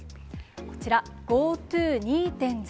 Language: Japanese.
こちら、ＧｏＴｏ２．０。